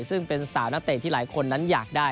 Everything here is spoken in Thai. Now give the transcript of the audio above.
ซึ่งเป็นสาวนักเตะที่หลายคนนั้นอยากได้